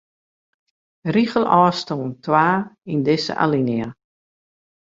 Rigelôfstân twa yn dizze alinea.